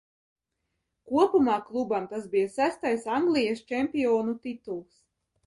Kopumā klubam tas bija sestais Anglijas čempionu tituls.